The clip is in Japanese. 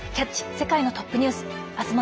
世界のトップニュース」。